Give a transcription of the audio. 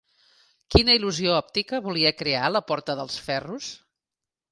Quina il·lusió òptica volia crear la Porta dels Ferros?